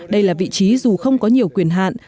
đây là vị trí dù không có nhiều quyền hạn